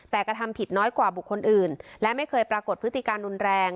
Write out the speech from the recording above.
แต่กระทำผิดน้อยกว่าบุคคลอื่นและไม่เคยปรากฏพฤติการรุนแรง